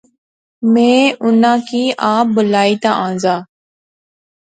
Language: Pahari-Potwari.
میں اُنہاں کی آپ بلائی تے آنزا